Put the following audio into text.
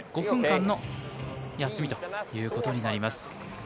５分間の休みということになります。